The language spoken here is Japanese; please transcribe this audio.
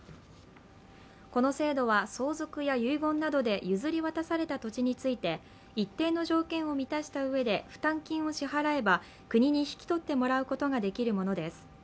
この制度は相続や遺言などで譲り渡された土地について、一定の条件を満たしたうえで負担金を支払えば国に引き取ってもらうことができるものです。